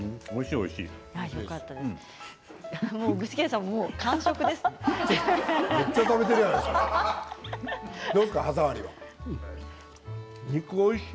おいしい、おいしい。